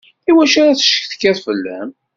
Iwacu ara ccetkiɣ fella-m?